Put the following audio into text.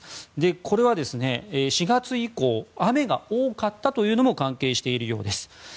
これは、４月以降雨が多かったというのも関係しているようです。